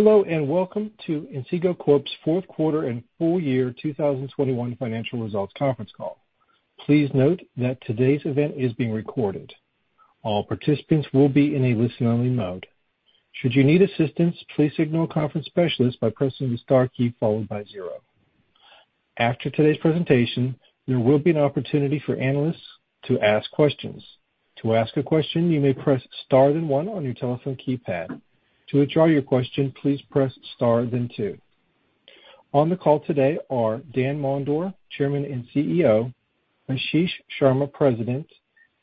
Hello, and welcome to Inseego Corp's fourth quarter and full year 2021 financial results conference call. Please note that today's event is being recorded. All participants will be in a listen-only mode. Should you need assistance, please signal a conference specialist by pressing the star key followed by zero. After today's presentation, there will be an opportunity for analysts to ask questions. To ask a question, you may press star then one on your telephone keypad. To withdraw your question, please press star then two. On the call today are Dan Mondor, Chairman and CEO, Ashish Sharma, President,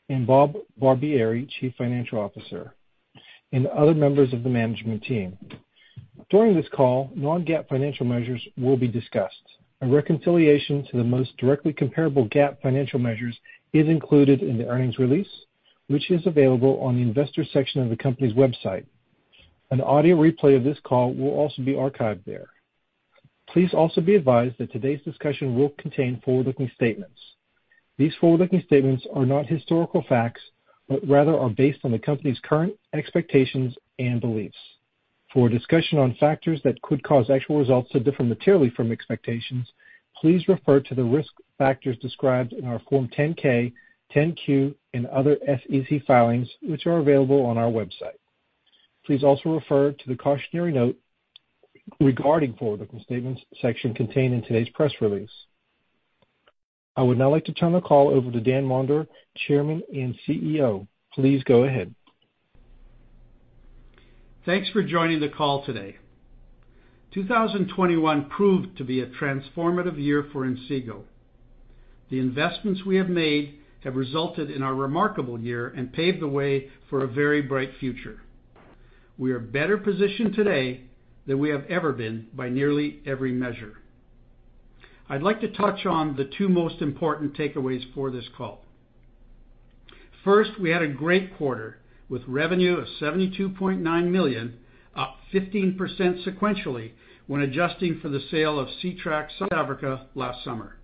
and Bob Barbieri, Chief Financial Officer, and other members of the management team. During this call, non-GAAP financial measures will be discussed. A reconciliation to the most directly comparable GAAP financial measures is included in the earnings release, which is available on the investor section of the company's website. An audio replay of this call will also be archived there. Please also be advised that today's discussion will contain forward-looking statements. These forward-looking statements are not historical facts, but rather are based on the company's current expectations and beliefs. For a discussion on factors that could cause actual results to differ materially from expectations, please refer to the risk factors described in our Form 10-K, 10-Q, and other SEC filings, which are available on our website. Please also refer to the cautionary note regarding forward-looking statements section contained in today's press release. I would now like to turn the call over to Dan Mondor, Chairman and CEO. Please go ahead. Thanks for joining the call today. 2021 proved to be a transformative year for Inseego. The investments we have made have resulted in our remarkable year and paved the way for a very bright future. We are better positioned today than we have ever been by nearly every measure. I'd like to touch on the two most important takeaways for this call. First, we had a great quarter with revenue of $72.9 million, up 15% sequentially when adjusting for the sale of Ctrack South Africa last summer.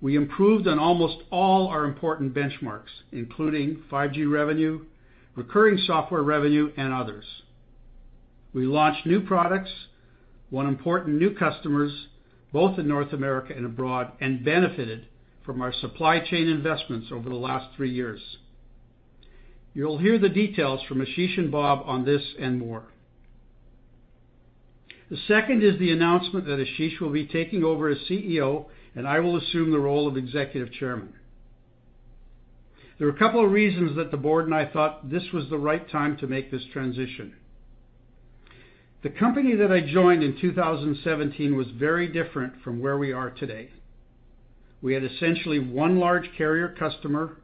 We improved on almost all our important benchmarks, including 5G revenue, recurring software revenue, and others. We launched new products, won important new customers, both in North America and abroad, and benefited from our supply chain investments over the last three years. You'll hear the details from Ashish and Bob on this and more. The second is the announcement that Ashish will be taking over as CEO, and I will assume the role of Executive Chairman. There are a couple of reasons that the board and I thought this was the right time to make this transition. The company that I joined in 2017 was very different from where we are today. We had essentially one large carrier customer,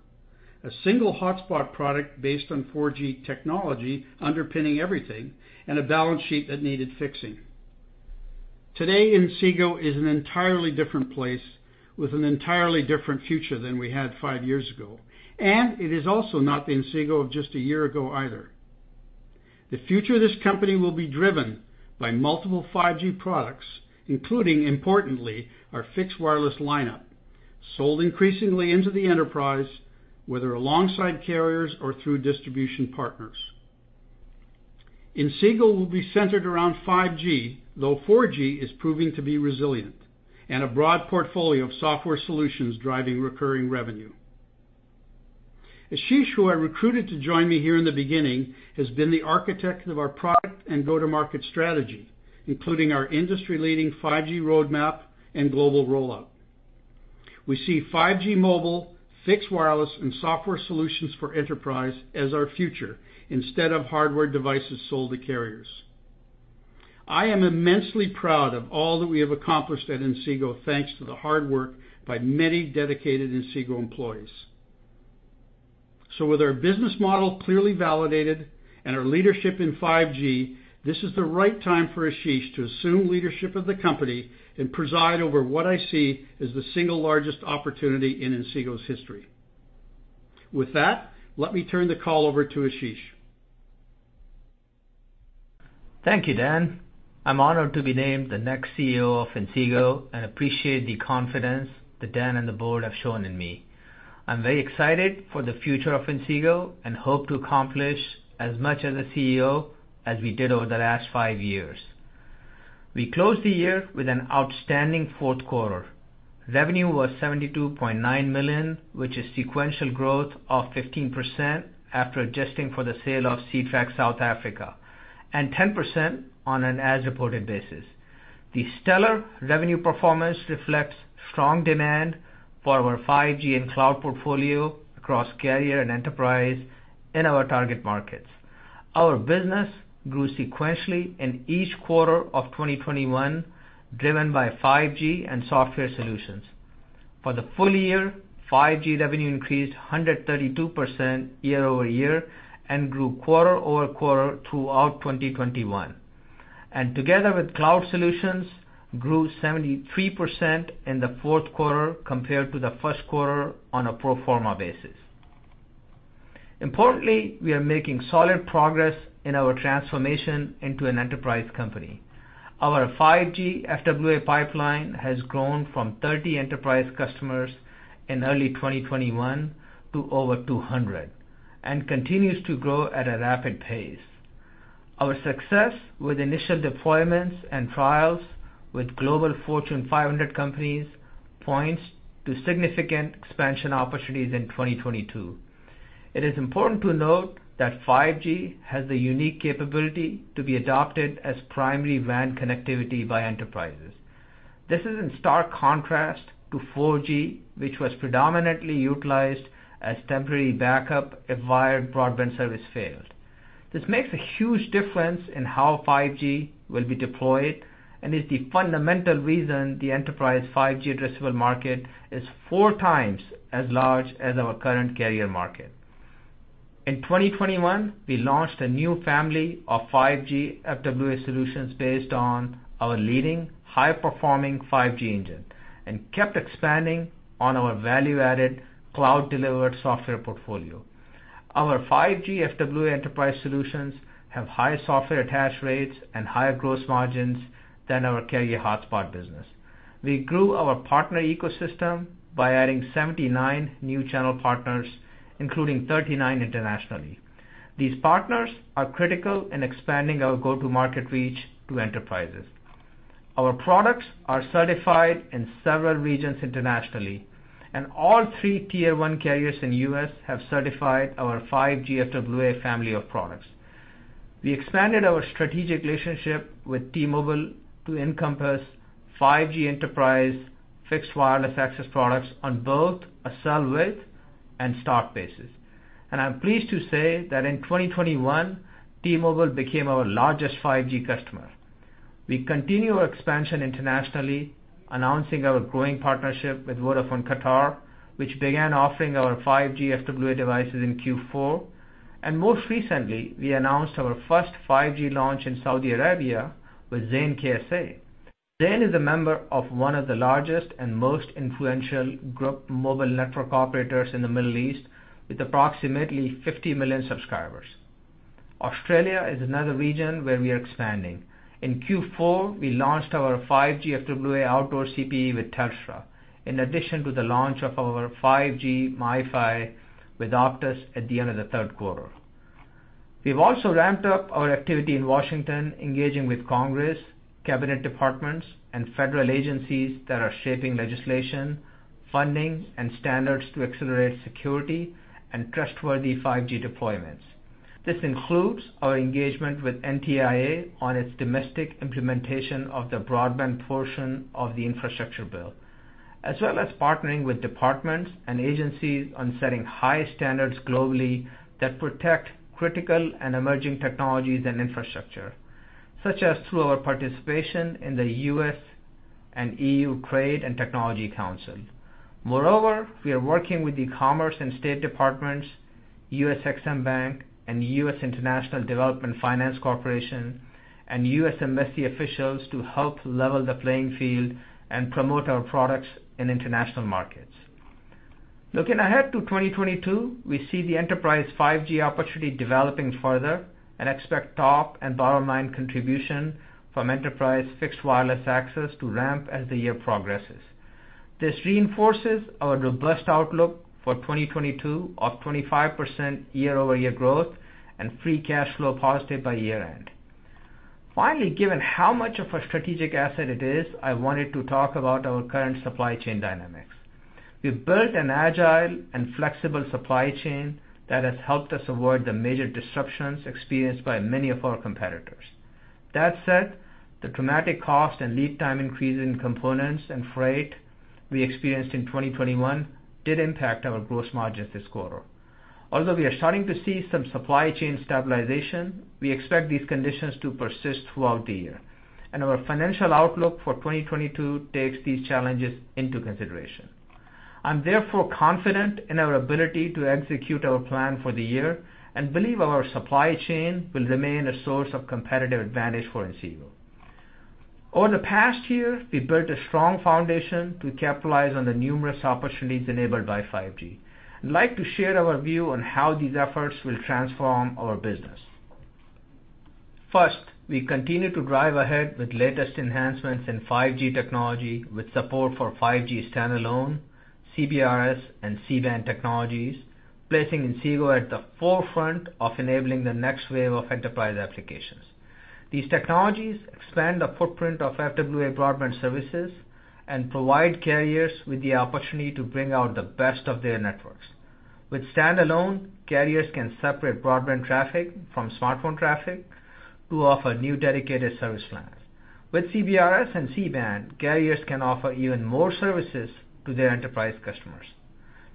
a single hotspot product based on 4G technology underpinning everything, and a balance sheet that needed fixing. Today, Inseego is an entirely different place with an entirely different future than we had five years ago, and it is also not the Inseego of just a year ago either. The future of this company will be driven by multiple 5G products, including, importantly, our fixed wireless lineup, sold increasingly into the enterprise, whether alongside carriers or through distribution partners. Inseego will be centered around 5G, though 4G is proving to be resilient, and a broad portfolio of software solutions driving recurring revenue. Ashish, who I recruited to join me here in the beginning, has been the architect of our product and go-to-market strategy, including our industry-leading 5G roadmap and global rollout. We see 5G mobile, fixed wireless, and software solutions for enterprise as our future instead of hardware devices sold to carriers. I am immensely proud of all that we have accomplished at Inseego, thanks to the hard work by many dedicated Inseego employees. With our business model clearly validated and our leadership in 5G, this is the right time for Ashish to assume leadership of the company and preside over what I see as the single largest opportunity in Inseego's history. With that, let me turn the call over to Ashish. Thank you Dan. I'm honored to be named the next CEO of Inseego and appreciate the confidence that Dan and the board have shown in me. I'm very excited for the future of Inseego and hope to accomplish as much as a CEO as we did over the last 5 years. We closed the year with an outstanding fourth quarter. Revenue was $72.9 million, which is sequential growth of 15% after adjusting for the sale of Ctrack South Africa, and 10% on an as-reported basis. The stellar revenue performance reflects strong demand for our 5G and cloud portfolio across carrier and enterprise in our target markets. Our business grew sequentially in each quarter of 2021, driven by 5G and software solutions. For the full year, 5G revenue increased 132% year-over-year and grew quarter-over-quarter throughout 2021. Together with cloud solutions, grew 73% in the fourth quarter compared to the first quarter on a pro forma basis. Importantly, we are making solid progress in our transformation into an enterprise company. Our 5G FWA pipeline has grown from 30 enterprise customers in early 2021 to over 200 and continues to grow at a rapid pace. Our success with initial deployments and trials with global Fortune 500 companies points to significant expansion opportunities in 2022. It is important to note that 5G has the unique capability to be adopted as primary WAN connectivity by enterprises. This is in stark contrast to 4G, which was predominantly utilized as temporary backup if wired broadband service failed. This makes a huge difference in how 5G will be deployed and is the fundamental reason the enterprise 5G addressable market is four times as large as our current carrier market. In 2021, we launched a new family of 5G FWA solutions based on our leading high-performing 5G engine and kept expanding on our value-added cloud delivered software portfolio. Our 5G FWA enterprise solutions have higher software attach rates and higher gross margins than our carrier hotspot business. We grew our partner ecosystem by adding 79 new channel partners, including 39 internationally. These partners are critical in expanding our go-to market reach to enterprises. Our products are certified in several regions internationally, and all three tier one carriers in U.S. have certified our 5G FWA family of products. We expanded our strategic relationship with T-Mobile to encompass 5G enterprise fixed wireless access products on both a sell with and stock basis. I'm pleased to say that in 2021, T-Mobile became our largest 5G customer. We continue our expansion internationally, announcing our growing partnership with Vodafone Qatar, which began offering our 5G FWA devices in Q4. Most recently, we announced our first 5G launch in Saudi Arabia with Zain KSA. Zain is a member of one of the largest and most influential group mobile network operators in the Middle East, with approximately 50 million subscribers. Australia is another region where we are expanding. In Q4, we launched our 5G FWA outdoor CPE with Telstra, in addition to the launch of our 5G MiFi with Optus at the end of the third quarter. We've also ramped up our activity in Washington, engaging with Congress, cabinet departments, and federal agencies that are shaping legislation, funding, and standards to accelerate security and trustworthy 5G deployments. This includes our engagement with NTIA on its domestic implementation of the broadband portion of the infrastructure bill, as well as partnering with departments and agencies on setting high standards globally that protect critical and emerging technologies and infrastructure, such as through our participation in the U.S.-EU Trade and Technology Council. Moreover, we are working with the Commerce and State Departments, U.S. EXIM Bank, and U.S. International Development Finance Corporation, and U.S. embassy officials to help level the playing field and promote our products in international markets. Looking ahead to 2022, we see the enterprise 5G opportunity developing further and expect top and bottom line contribution from enterprise fixed wireless access to ramp as the year progresses. This reinforces our robust outlook for 2022 of 25% year-over-year growth and free cash flow positive by year-end. Finally, given how much of a strategic asset it is, I wanted to talk about our current supply chain dynamics. We've built an agile and flexible supply chain that has helped us avoid the major disruptions experienced by many of our competitors. That said, the dramatic cost and lead time increase in components and freight we experienced in 2021 did impact our gross margin this quarter. Although we are starting to see some supply chain stabilization, we expect these conditions to persist throughout the year, and our financial outlook for 2022 takes these challenges into consideration. I'm therefore confident in our ability to execute our plan for the year and believe our supply chain will remain a source of competitive advantage for Inseego. Over the past year, we built a strong foundation to capitalize on the numerous opportunities enabled by 5G. I'd like to share our view on how these efforts will transform our business. First, we continue to drive ahead with latest enhancements in 5G technology with support for 5G standalone, CBRS, and C-Band technologies, placing Inseego at the forefront of enabling the next wave of enterprise applications. These technologies expand the footprint of FWA broadband services and provide carriers with the opportunity to bring out the best of their networks. With standalone, carriers can separate broadband traffic from smartphone traffic to offer new dedicated service plans. With CBRS and C-Band, carriers can offer even more services to their enterprise customers.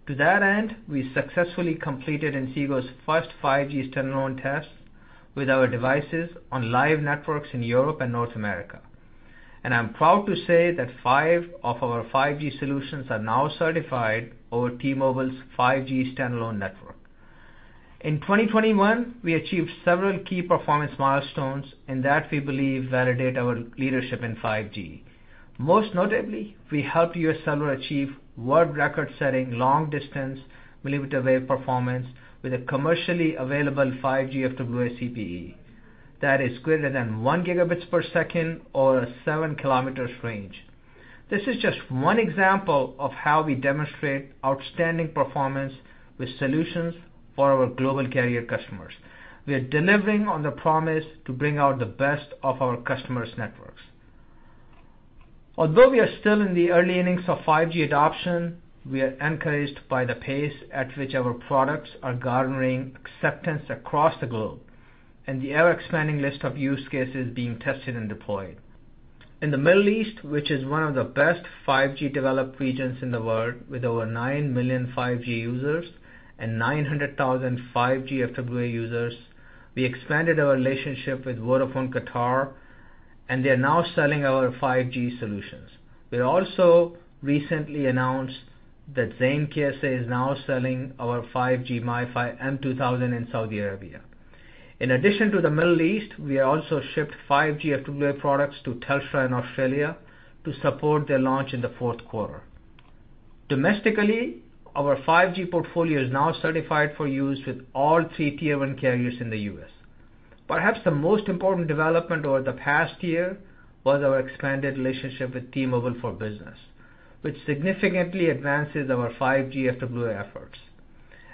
To that end, we successfully completed Inseego's first 5G standalone test with our devices on live networks in Europe and North America, and I'm proud to say that five of our 5G solutions are now certified over T-Mobile's 5G standalone network. In 2021, we achieved several key performance milestones in that we believe validate our leadership in 5G. Most notably, we helped UScellular achieve world record-setting long-distance millimeter wave performance with a commercially available 5G FWA CPE that is greater than 1 gigabit per second or a 7 kilometers range. This is just one example of how we demonstrate outstanding performance with solutions for our global carrier customers. We are delivering on the promise to bring out the best of our customers' networks. Although we are still in the early innings of 5G adoption, we are encouraged by the pace at which our products are garnering acceptance across the globe and the ever-expanding list of use cases being tested and deployed. In the Middle East, which is one of the best 5G developed regions in the world, with over 9 million 5G users and 900,000 5G FWA users, we expanded our relationship with Vodafone Qatar, and they are now selling our 5G solutions. We also recently announced that Zain KSA is now selling our 5G MiFi M2000 in Saudi Arabia. In addition to the Middle East, we also shipped 5G FWA products to Telstra in Australia to support their launch in the fourth quarter. Domestically, our 5G portfolio is now certified for use with all three tier one carriers in the U.S. Perhaps the most important development over the past year was our expanded relationship with T-Mobile for Business, which significantly advances our 5G FWA efforts.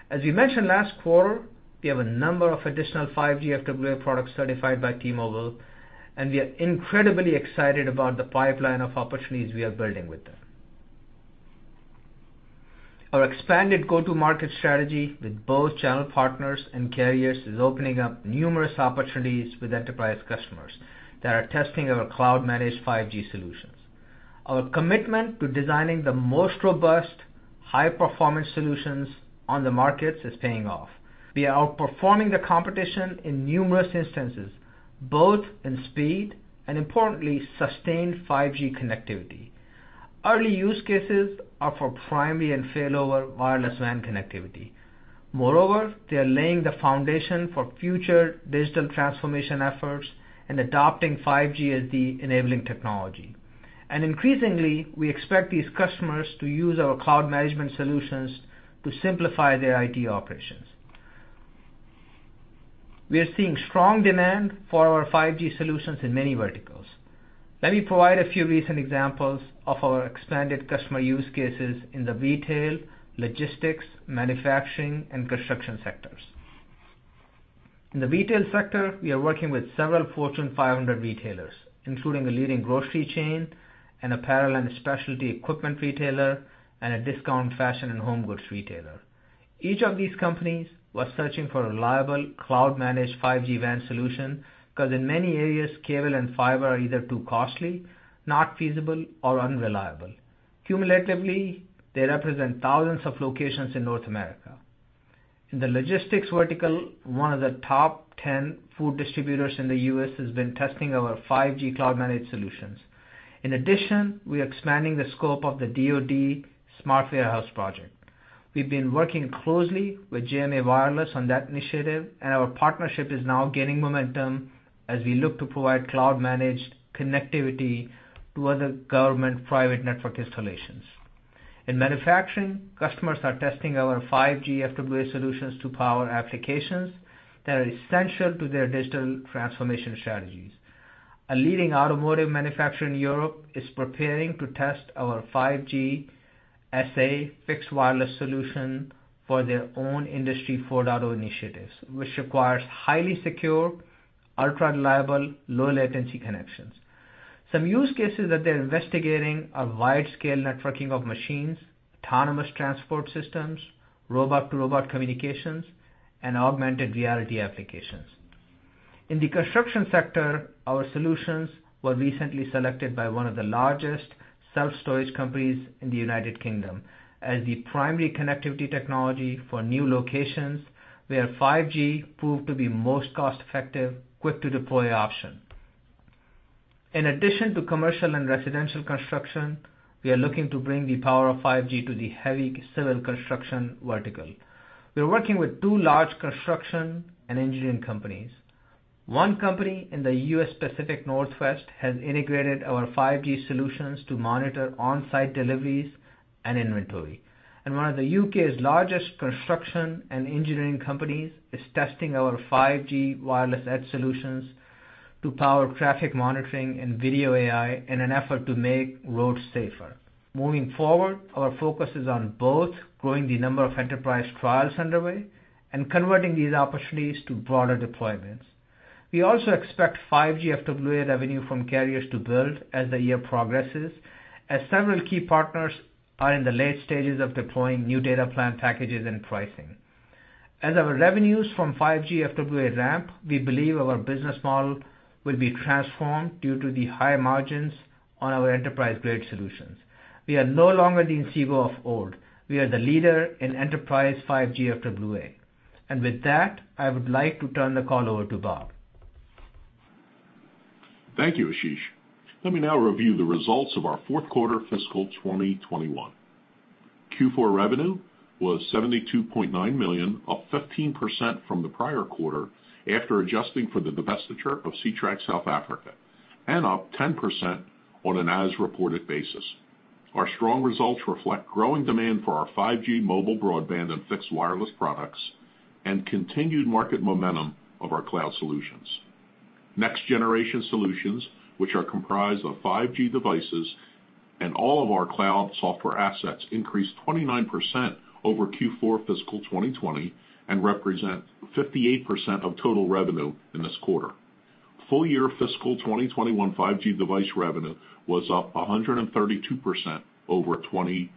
As we mentioned last quarter, we have a number of additional 5G FWA products certified by T-Mobile, and we are incredibly excited about the pipeline of opportunities we are building with them. Our expanded go-to-market strategy with both channel partners and carriers is opening up numerous opportunities with enterprise customers that are testing our cloud-managed 5G solutions. Our commitment to designing the most robust, high-performance solutions on the markets is paying off. We are outperforming the competition in numerous instances, both in speed and importantly, sustained 5G connectivity. Early use cases are for primary and failover wireless WAN connectivity. Moreover, they are laying the foundation for future digital transformation efforts and adopting 5G as the enabling technology. Increasingly, we expect these customers to use our cloud management solutions to simplify their IT operations. We are seeing strong demand for our 5G solutions in many verticals. Let me provide a few recent examples of our expanded customer use cases in the retail, logistics, manufacturing, and construction sectors. In the retail sector, we are working with several Fortune 500 retailers, including a leading grocery chain, an apparel and specialty equipment retailer, and a discount fashion and home goods retailer. Each of these companies was searching for a reliable, cloud-managed 5G WAN solution because in many areas, cable and fiber are either too costly, not feasible, or unreliable. Cumulatively, they represent thousands of locations in North America. In the logistics vertical, one of the top 10 food distributors in the U.S. has been testing our 5G cloud-managed solutions. In addition, we are expanding the scope of the DoD smart warehouse project. We've been working closely with JMA Wireless on that initiative, and our partnership is now gaining momentum as we look to provide cloud-managed connectivity to other government private network installations. In manufacturing, customers are testing our 5G FWA solutions to power applications that are essential to their digital transformation strategies. A leading automotive manufacturer in Europe is preparing to test our 5G SA fixed wireless solution for their own Industry 4.0 auto initiatives, which requires highly secure, ultra-reliable, low-latency connections. Some use cases that they're investigating are wide-scale networking of machines, autonomous transport systems, robot-to-robot communications, and augmented reality applications. In the construction sector, our solutions were recently selected by one of the largest self-storage companies in the United Kingdom as the primary connectivity technology for new locations where 5G proved to be the most cost-effective, quick-to-deploy option. In addition to commercial and residential construction, we are looking to bring the power of 5G to the heavy civil construction vertical. We are working with two large construction and engineering companies. One company in the U.S. Pacific Northwest has integrated our 5G solutions to monitor on-site deliveries and inventory. One of the U.K.'s largest construction and engineering companies is testing our 5G wireless edge solutions to power traffic monitoring and video AI in an effort to make roads safer. Moving forward, our focus is on both growing the number of enterprise trials underway and converting these opportunities to broader deployments. We also expect 5G FWA revenue from carriers to build as the year progresses, as several key partners are in the late stages of deploying new data plan packages and pricing. As our revenues from 5G FWA ramp, we believe our business model will be transformed due to the high margins on our enterprise-grade solutions. We are no longer the Inseego of old. We are the leader in enterprise 5G FWA. With that, I would like to turn the call over to Bob. Thank you Ashish. Let me now review the results of our fourth quarter fiscal 2021. Q4 revenue was $72.9 million, up 15% from the prior quarter after adjusting for the divestiture of Ctrack South Africa, and up 10% on an as-reported basis. Our strong results reflect growing demand for our 5G mobile broadband and fixed wireless products and continued market momentum of our cloud solutions. Next-generation solutions, which are comprised of 5G devices and all of our cloud software assets, increased 29% over Q4 fiscal 2020 and represent 58% of total revenue in this quarter. Full year fiscal 2021 5G device revenue was up 132% over 2020.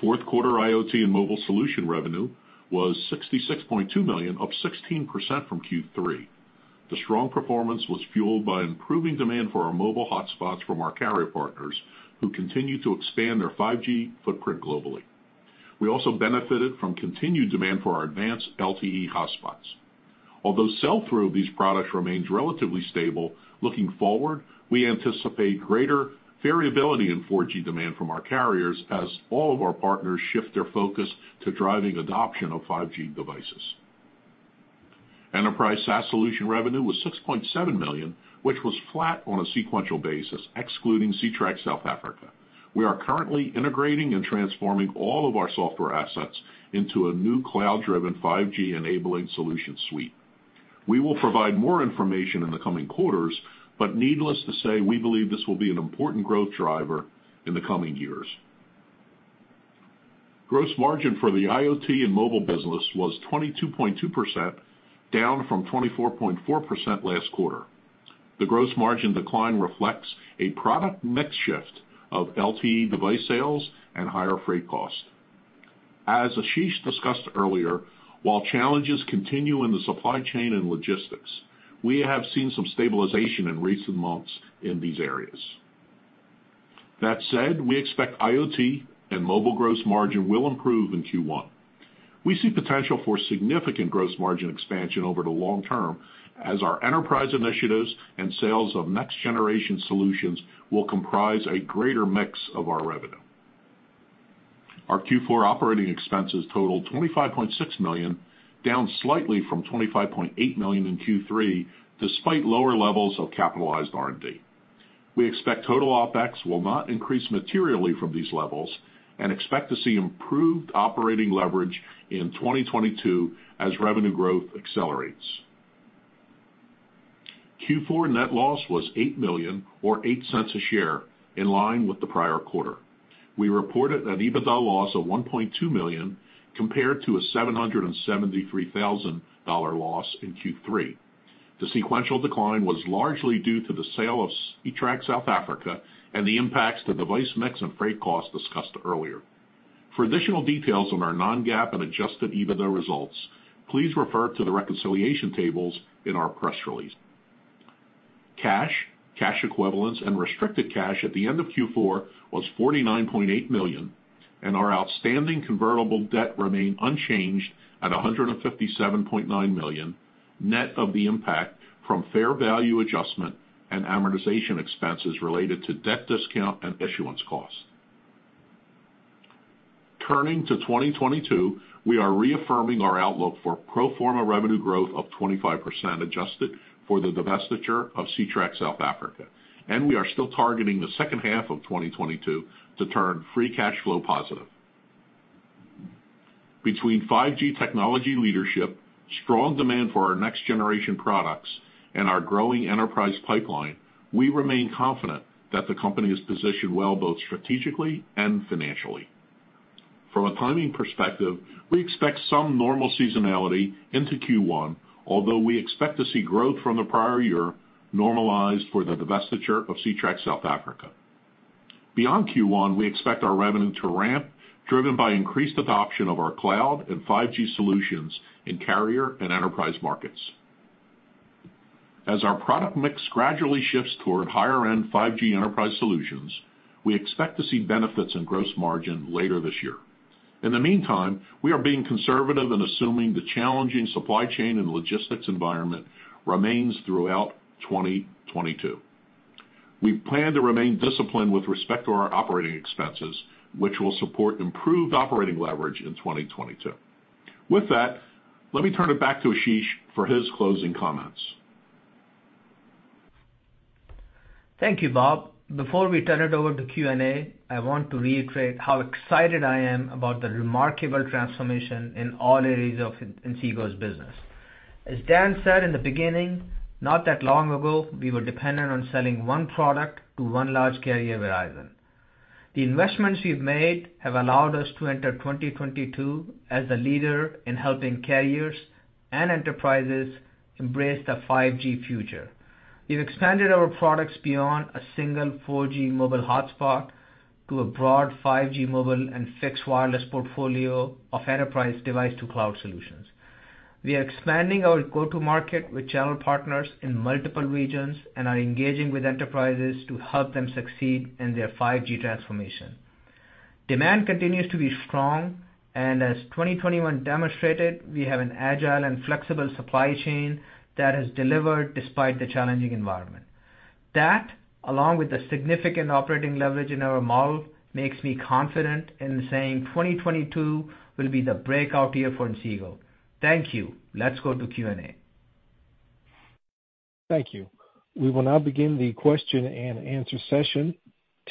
Fourth quarter IoT and mobile solution revenue was $66.2 million, up 16% from Q3. The strong performance was fueled by improving demand for our mobile hotspots from our carrier partners, who continue to expand their 5G footprint globally. We also benefited from continued demand for our advanced LTE hotspots. Although sell-through of these products remains relatively stable, looking forward, we anticipate greater variability in 4G demand from our carriers as all of our partners shift their focus to driving adoption of 5G devices. Enterprise SaaS solution revenue was $6.7 million, which was flat on a sequential basis, excluding Ctrack South Africa. We are currently integrating and transforming all of our software assets into a new cloud-driven 5G-enabling solution suite. We will provide more information in the coming quarters, but needless to say, we believe this will be an important growth driver in the coming years. Gross margin for the IoT and mobile business was 22.2%, down from 24.4% last quarter. The gross margin decline reflects a product mix shift of LTE device sales and higher freight cost. As Ashish discussed earlier, while challenges continue in the supply chain and logistics, we have seen some stabilization in recent months in these areas. That said, we expect IoT and mobile gross margin will improve in Q1. We see potential for significant gross margin expansion over the long term as our enterprise initiatives and sales of next-generation solutions will comprise a greater mix of our revenue. Our Q4 operating expenses totaled $25.6 million, down slightly from $25.8 million in Q3, despite lower levels of capitalized R&D. We expect total OpEx will not increase materially from these levels and expect to see improved operating leverage in 2022 as revenue growth accelerates. Q4 net loss was $8 million or $0.08 a share, in line with the prior quarter. We reported an EBITDA loss of $1.2 million compared to a $773,000 loss in Q3. The sequential decline was largely due to the sale of Ctrack South Africa and the impacts to device mix and freight costs discussed earlier. For additional details on our non-GAAP and adjusted EBITDA results, please refer to the reconciliation tables in our press release. Cash, cash equivalents, and restricted cash at the end of Q4 was $49.8 million, and our outstanding convertible debt remained unchanged at $157.9 million, net of the impact from fair value adjustment and amortization expenses related to debt discount and issuance costs. Turning to 2022, we are reaffirming our outlook for pro forma revenue growth of 25%, adjusted for the divestiture of Ctrack South Africa, and we are still targeting the second half of 2022 to turn free cash flow positive. Between 5G technology leadership, strong demand for our next-generation products, and our growing enterprise pipeline, we remain confident that the company is positioned well, both strategically and financially. From a timing perspective, we expect some normal seasonality into Q1, although we expect to see growth from the prior year normalized for the divestiture of Ctrack South Africa. Beyond Q1, we expect our revenue to ramp, driven by increased adoption of our cloud and 5G solutions in carrier and enterprise markets. As our product mix gradually shifts toward higher-end 5G enterprise solutions, we expect to see benefits in gross margin later this year. In the meantime, we are being conservative in assuming the challenging supply chain and logistics environment remains throughout 2022. We plan to remain disciplined with respect to our operating expenses, which will support improved operating leverage in 2022. With that, let me turn it back to Ashish for his closing comments. Thank you Bob. Before we turn it over to Q&A, I want to reiterate how excited I am about the remarkable transformation in all areas of Inseego's business. As Dan said in the beginning, not that long ago, we were dependent on selling one product to one large carrier, Verizon. The investments we've made have allowed us to enter 2022 as the leader in helping carriers and enterprises embrace the 5G future. We've expanded our products beyond a single 4G mobile hotspot to a broad 5G mobile and fixed wireless portfolio of enterprise device to cloud solutions. We are expanding our go-to market with channel partners in multiple regions and are engaging with enterprises to help them succeed in their 5G transformation. Demand continues to be strong, and as 2021 demonstrated, we have an agile and flexible supply chain that has delivered despite the challenging environment. That, along with the significant operating leverage in our model, makes me confident in saying 2022 will be the breakout year for Inseego. Thank you. Let's go to Q&A. Thank you. We will now begin the question-and-answer session.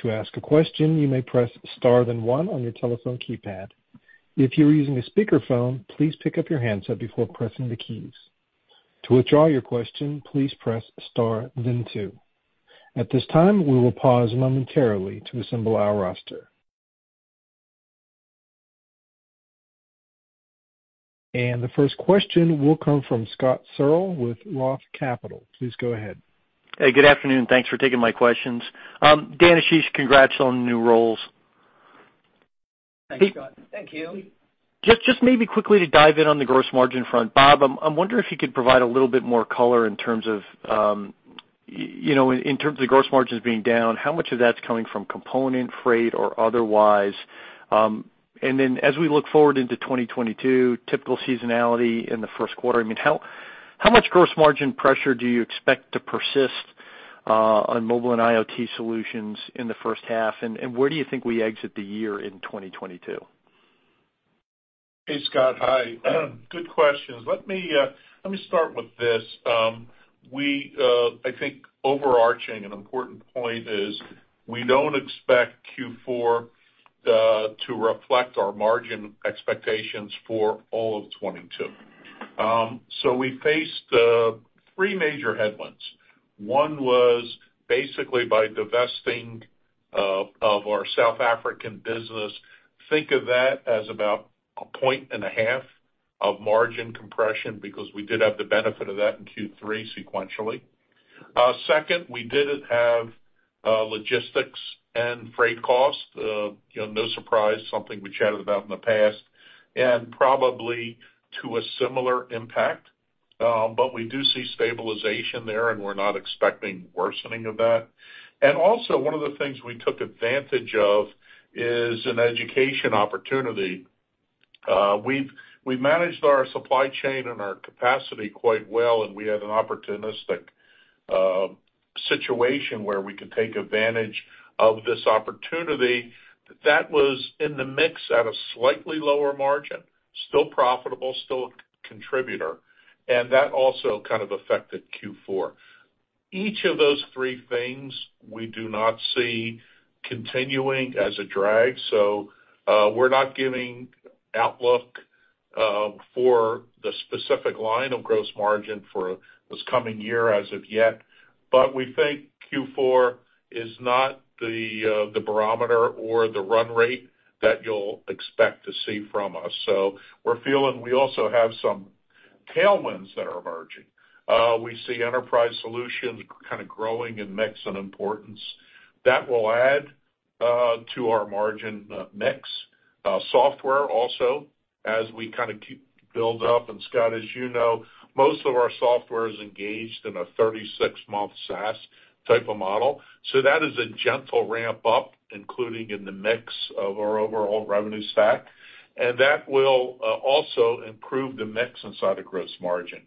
To ask a question, you may press star then one on your telephone keypad. If you're using a speakerphone, please pick up your handset before pressing the keys. To withdraw your question, please press star then two. At this time, we will pause momentarily to assemble our roster. The first question will come from Scott Searle with Roth Capital. Please go ahead. Hey good afternoon. Thanks for taking my questions. Dan, Ashish, congrats on the new roles. Thanks Scott. Thank you. Just maybe quickly to dive in on the gross margin front. Bob, I'm wondering if you could provide a little bit more color in terms of, you know, in terms of gross margins being down, how much of that's coming from component, freight or otherwise? And then as we look forward into 2022, typical seasonality in the first quarter, I mean, how much gross margin pressure do you expect to persist on mobile and IoT solutions in the first half? Where do you think we exit the year in 2022? Hey Scott Hi, good questions. Let me start with this. I think the overarching and important point is we don't expect Q4 to reflect our margin expectations for all of 2022. So we faced three major headwinds. One was basically by divesting of our South African business. Think of that as about 1.5 points of margin compression, because we did have the benefit of that in Q3 sequentially. Second, we had logistics and freight costs. You know, no surprise, something we chatted about in the past, and probably to a similar impact. We do see stabilization there, and we're not expecting worsening of that. Also one of the things we took advantage of is an education opportunity. We managed our supply chain and our capacity quite well, and we had an opportunistic situation where we could take advantage of this opportunity that was in the mix at a slightly lower margin, still profitable, still a contributor. That also kind of affected Q4. Each of those three things we do not see continuing as a drag, we're not giving outlook for the specific line of gross margin for this coming year as of yet. We think Q4 is not the barometer or the run rate that you'll expect to see from us. We're feeling we also have some tailwinds that are emerging. We see enterprise solutions kind of growing in mix and importance. That will add to our margin mix. Software also as we kinda keep building up, and Scott, as you know, most of our software is engaged in a 36-month SaaS type of model. That is a gentle ramp up, including in the mix of our overall revenue stack. That will also improve the mix inside the gross margin.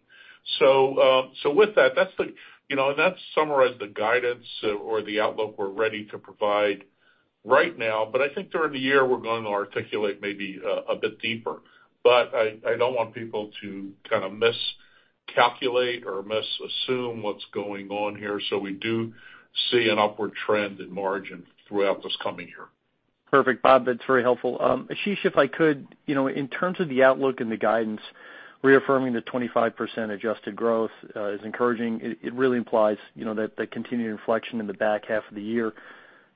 With that's the, you know, and that summarize the guidance or the outlook we're ready to provide right now, but I think during the year, we're going to articulate maybe a bit deeper. I don't want people to kind of miscalculate or misassume what's going on here. We do see an upward trend in margin throughout this coming year. Perfect Bob. That's very helpful. Ashish, if I could, you know, in terms of the outlook and the guidance, reaffirming the 25% adjusted growth is encouraging. It really implies, you know, that the continued inflection in the back half of the year.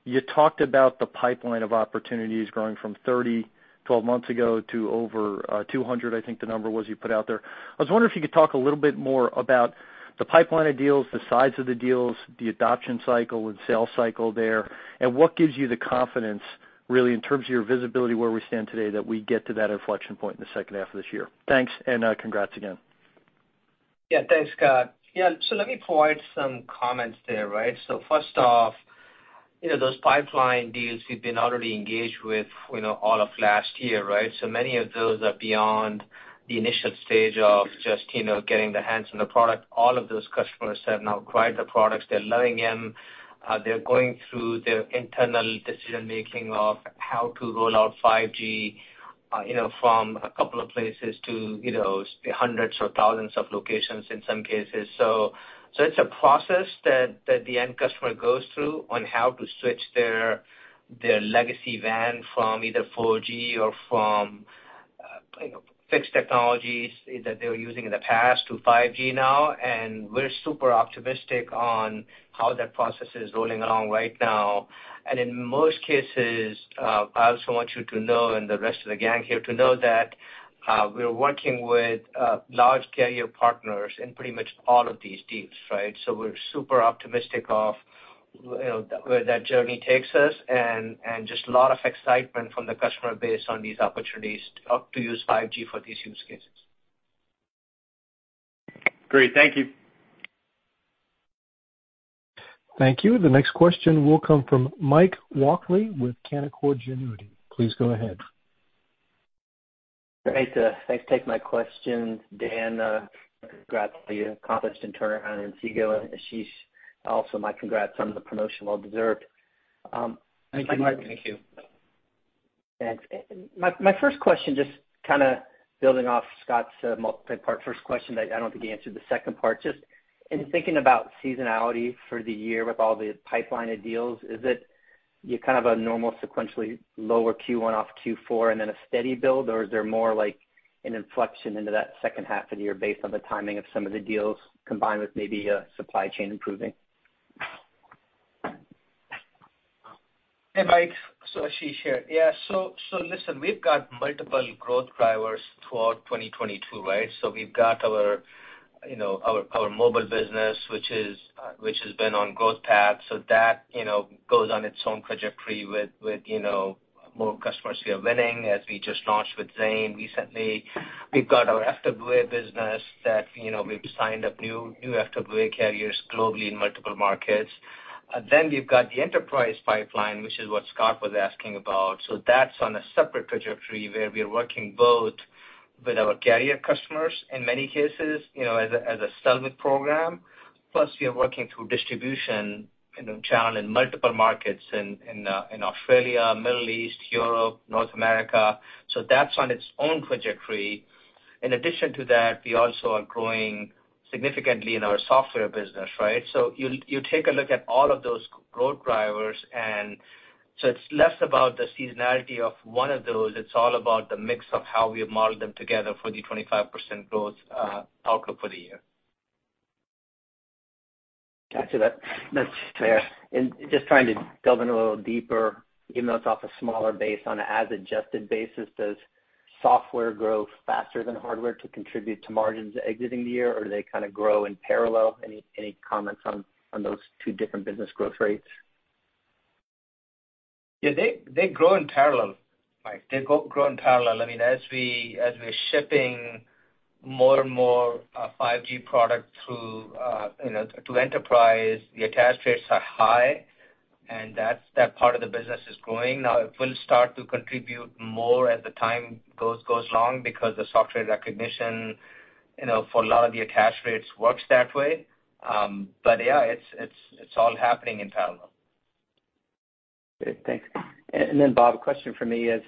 You talked about the pipeline of opportunities growing from 30 12 months ago to over 200, I think the number was you put out there. I was wondering if you could talk a little bit more about the pipeline of deals, the size of the deals, the adoption cycle and sales cycle there, and what gives you the confidence really in terms of your visibility where we stand today that we get to that inflection point in the second half of this year. Thanks, and congrats again. Yeah. Thanks Scott. Yeah. Let me provide some comments there, right? First off, you know, those pipeline deals we've been already engaged with, you know, all of last year, right? Many of those are beyond the initial stage of just, you know, getting their hands on the product. All of those customers have now acquired the products. They're loading in, they're going through their internal decision-making of how to roll out 5G, you know, from a couple of places to, you know, hundreds or thousands of locations in some cases. It's a process that the end customer goes through on how to switch their legacy WAN from either 4G or from, you know, fixed technologies that they were using in the past to 5G now. We're super optimistic on how that process is rolling along right now. In most cases, I also want you to know, and the rest of the gang here to know that, we're working with large carrier partners in pretty much all of these deals, right? We're super optimistic of, you know, where that journey takes us and just a lot of excitement from the customer base on these opportunities to use 5G for these use cases. Great. Thank you. Thank you. The next question will come from Mike Walkley with Canaccord Genuity. Please go ahead. Great. Thanks for taking my question. Dan, congrats on the accomplished turnaround in Inseego. Ashish, also my congrats on the promotion. Well deserved. Thank you Mike. Thank you. And my first question, just kinda building off Scott's multi-part first question that I don't think he answered the second part. Just in thinking about seasonality for the year with all the pipelined deals, is it you kind of a normal sequentially lower Q1 off Q4 and then a steady build, or is there more like an inflection into that second half of the year based on the timing of some of the deals combined with maybe supply chain improving? Hey Mike. Ashish here. Yeah. Listen, we've got multiple growth drivers throughout 2022, right? We've got our you know our mobile business, which has been on growth path. That you know goes on its own trajectory with you know more customers we are winning, as we just launched with Zain recently. We've got our FWA business that you know we've signed up new FWA carriers globally in multiple markets. Then we've got the enterprise pipeline, which is what Scott was asking about. That's on a separate trajectory where we are working both with our carrier customers in many cases you know as a sell with program, plus we are working through distribution you know channel in multiple markets in Australia, Middle East, Europe, North America. That's on its own trajectory. In addition to that, we also are growing significantly in our software business, right? You take a look at all of those growth drivers and so it's less about the seasonality of one of those, it's all about the mix of how we model them together for the 25% growth outlook for the year. Gotcha. That's clear. Just trying to delve in a little deeper, even though it's off a smaller base on an as adjusted basis, does software grow faster than hardware to contribute to margins exiting the year, or do they kind of grow in parallel? Any comments on those two different business growth rates? Yeah, they grow in parallel, Mike. They grow in parallel. I mean, as we're shipping more and more 5G product through to enterprise, you know, the attach rates are high, and that part of the business is growing. Now, it will start to contribute more as the time goes along because the software recognition, you know, for a lot of the attach rates works that way. Yeah, it's all happening in parallel. Good, thanks. Bob, a question for me is,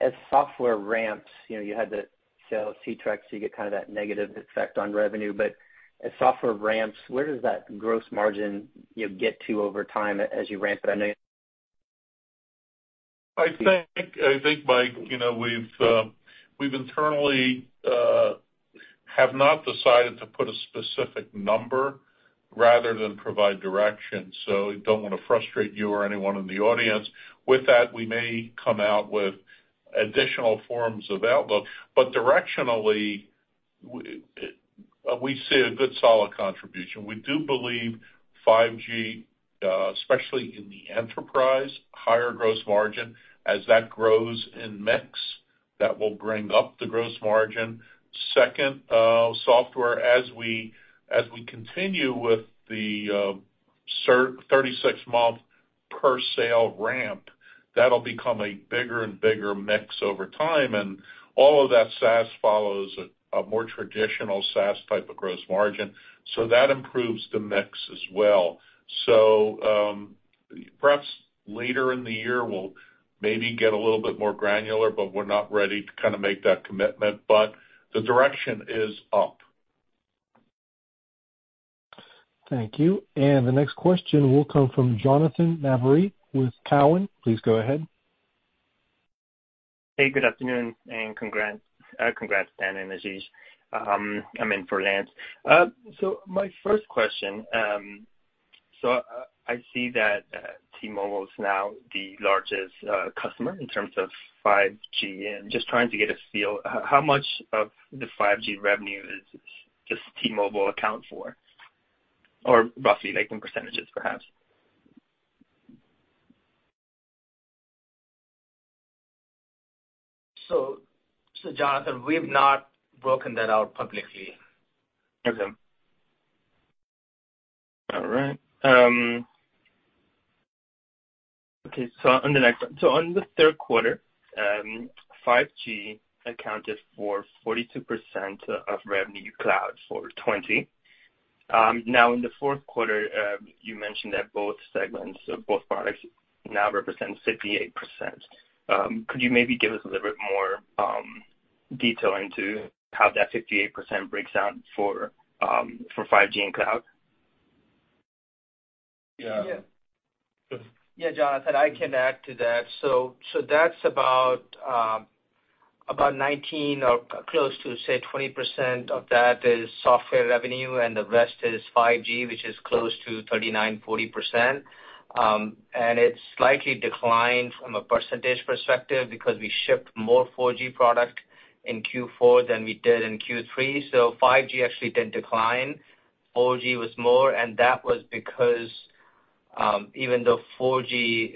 as software ramps, you know, you had the sale of Ctrack, so you get kind of that negative effect on revenue. As software ramps, where does that gross margin, you know, get to over time as you ramp it? I know you- I think Mike, you know, we've internally have not decided to put a specific number rather than provide direction. We don't wanna frustrate you or anyone in the audience. With that, we may come out with additional forms of outlook. Directionally, we see a good solid contribution. We do believe 5G, especially in the enterprise, higher gross margin. As that grows in mix, that will bring up the gross margin. Second, software, as we continue with the 36-month per sale ramp, that'll become a bigger and bigger mix over time. All of that SaaS follows a more traditional SaaS type of gross margin, so that improves the mix as well. Perhaps later in the year we'll maybe get a little bit more granular, but we're not ready to kinda make that commitment. The direction is up. Thank you. The next question will come from Jonathan Navarrete with Cowen. Please go ahead. Hey, good afternoon and congrats, Dan and Ashish. I'm in for Lance. So my first question, I see that T-Mobile is now the largest customer in terms of 5G. Just trying to get a feel, how much of the 5G revenue does just T-Mobile account for? Or roughly, like in percentages perhaps. Jonathan, we have not broken that out publicly. Alright, so on the next one. On the third quarter, 5G accounted for 42% of revenue, cloud for 20%. Now, in the fourth quarter, you mentioned that both segments of both products now represent 58%. Could you maybe give us a little bit more detail into how that 58% breaks out for 5G and cloud? Yeah. Yeah. Yeah Jonathan, I can add to that. That's about 19 or close to, say, 20% of that is software revenue, and the rest is 5G, which is close to 39, 40%. It's slightly declined from a percentage perspective because we shipped more 4G product in Q4 than we did in Q3. 5G actually did decline. 4G was more, and that was because even though 4G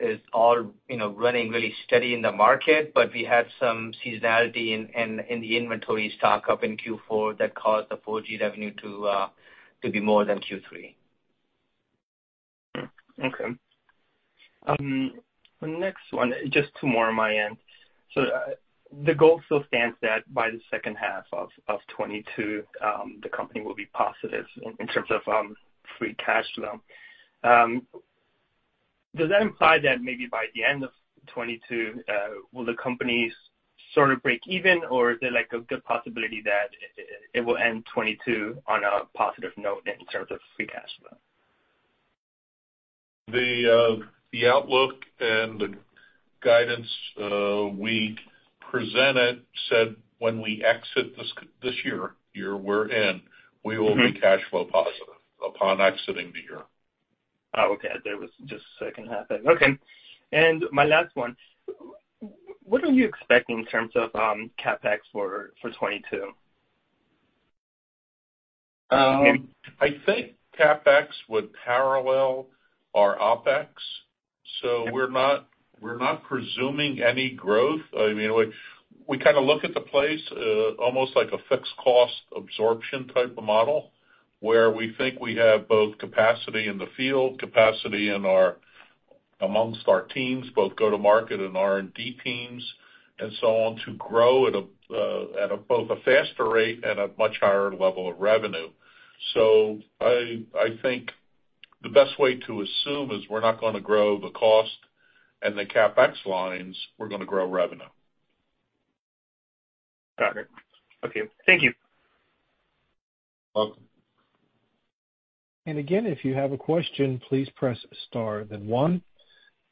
is all you know running really steady in the market, but we had some seasonality in the inventory stock up in Q4 that caused the 4G revenue to be more than Q3. Okay. The next one, just two more on my end. The goal still stands that by the second half of 2022, the company will be positive in terms of free cash flow. Does that imply that maybe by the end of 2022, the company will sort of break even? Or is there like a good possibility that it will end 2022 on a positive note in terms of free cash flow? The outlook and the guidance we presented said when we exit this year we're in. Mm-hmm. We will be cash flow positive upon exiting the year. Oh, okay. There was just second half then. Okay. My last one, what are you expecting in terms of CapEx for 2022? I think CapEx would parallel our OpEx. We're not presuming any growth. I mean, we kinda look at the pace almost like a fixed cost absorption type of model, where we think we have both capacity in the field, capacity amongst our teams, both go-to-market and R&D teams and so on to grow at both a faster rate and a much higher level of revenue. I think the best way to assume is we're not gonna grow the cost and the CapEx lines, we're gonna grow revenue. Got it. Okay. Thank you. Welcome. Again, if you have a question, please press star then one.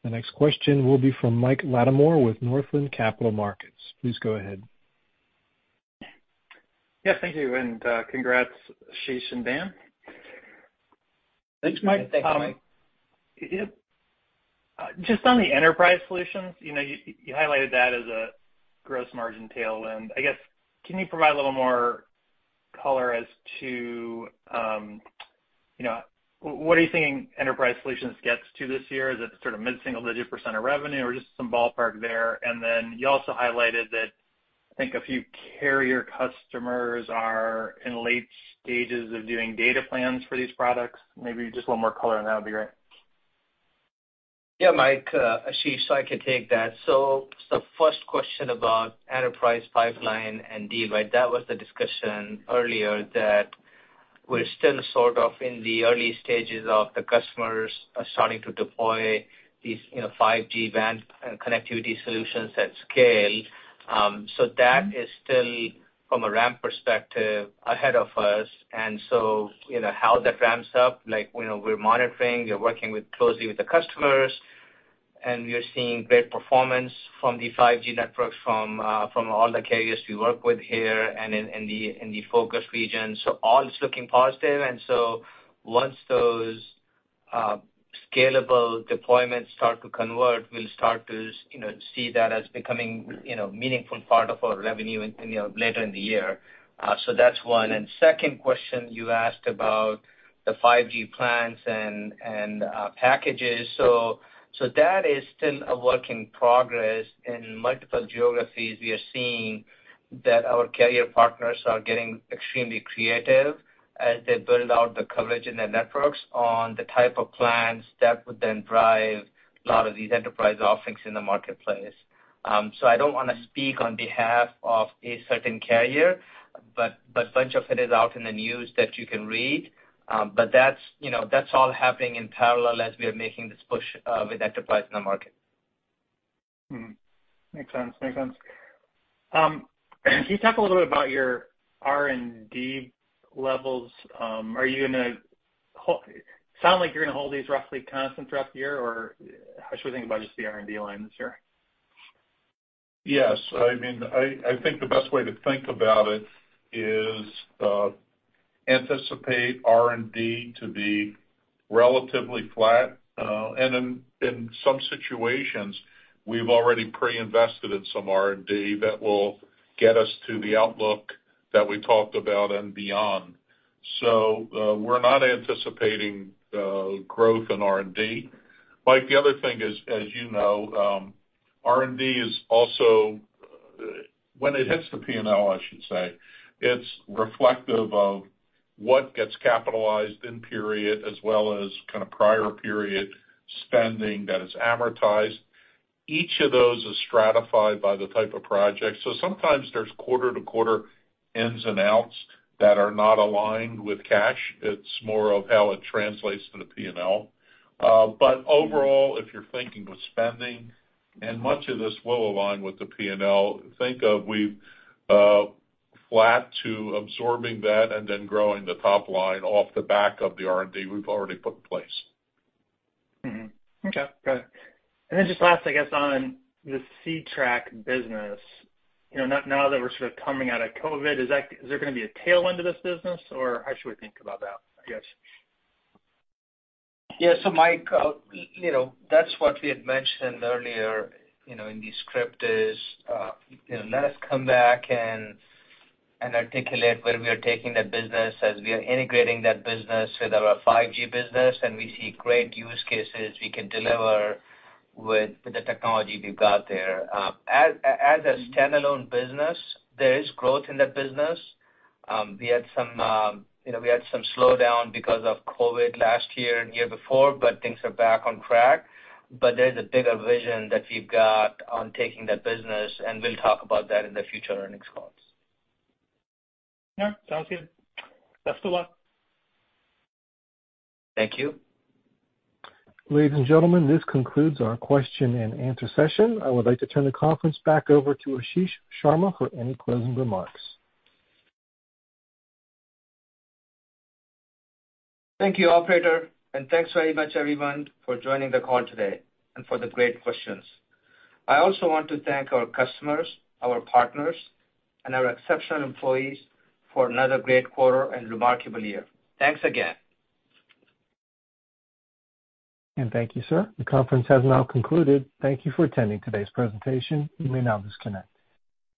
The next question will be from Mike Latimore with Northland Capital Markets. Please go ahead. Yeah, thank you, and congrats, Ashish and Dan. Thanks Mike. Thanks Mike. Just on the enterprise solutions, you know, you highlighted that as a gross margin tailwind. I guess, can you provide a little more color as to, you know, what are you thinking enterprise solutions gets to this year? Is it sort of mid-single digit % of revenue or just some ballpark there? And then you also highlighted that I think a few carrier customers are in late stages of doing data plans for these products. Maybe just one more color on that would be great. Yeah Mike, Ashish, so I can take that. The first question about enterprise pipeline and deal, right? That was the discussion earlier that we're still sort of in the early stages of the customers starting to deploy these, you know, 5G WAN connectivity solutions at scale. That is still from a ramp perspective ahead of us. You know, how that ramps up, like, you know, we're monitoring, we're working closely with the customers, and we are seeing great performance from the 5G networks from all the carriers we work with here and in the focus regions. All is looking positive. Once those scalable deployments start to convert, we'll start to you know, see that as becoming, you know, meaningful part of our revenue in, you know, later in the year. That's one. Second question you asked about the 5G plans and packages. That is still a work in progress. In multiple geographies, we are seeing that our carrier partners are getting extremely creative as they build out the coverage in their networks on the type of plans that would then drive a lot of these enterprise offerings in the marketplace. I don't wanna speak on behalf of a certain carrier, but bunch of it is out in the news that you can read. But that's, you know, that's all happening in parallel as we are making this push with enterprise in the market. Makes sense. Can you talk a little bit about your R&D levels? Sounds like you're gonna hold these roughly constant throughout the year, or how should we think about just the R&D line this year? Yes. I mean, I think the best way to think about it is to anticipate R&D to be relatively flat. In some situations, we've already pre-invested in some R&D that will get us to the outlook that we talked about and beyond. We're not anticipating growth in R&D. Mike, the other thing is, as you know, R&D is also when it hits the P&L. I should say, it's reflective of what gets capitalized in period as well as kind of prior period spending that is amortized. Each of those is stratified by the type of project. Sometimes there's quarter-to-quarter ins and outs that are not aligned with cash. It's more of how it translates to the P&L. Overall, if you're thinking of spending, and much of this will align with the P&L, think of we've flat to absorbing that and then growing the top line off the back of the R&D we've already put in place. Mm-hmm. Okay, got it. Then just last, I guess on the Ctrack business, you know, now that we're sort of coming out of COVID, is that, is there gonna be a tailwind to this business, or how should we think about that, I guess? Yeah. Mike, you know, that's what we had mentioned earlier, you know, in the script is, you know, let us come back and articulate where we are taking that business as we are integrating that business with our 5G business and we see great use cases we can deliver with the technology we've got there. As a standalone business, there is growth in that business. We had some slowdown because of COVID last year and year before, but things are back on track. There's a bigger vision that we've got on taking that business, and we'll talk about that in the future earnings calls. Yeah, sounds good. Best of luck. Thank you. Ladies and gentlemen, this concludes our question and answer session. I would like to turn the conference back over to Ashish Sharma for any closing remarks. Thank you operator, and thanks very much everyone for joining the call today and for the great questions. I also want to thank our customers, our partners, and our exceptional employees for another great quarter and remarkable year. Thanks again. Thank you sir. The conference has now concluded. Thank you for attending today's presentation. You may now disconnect.